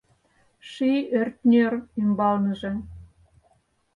Ший ӧртньӧр ӱмбалныже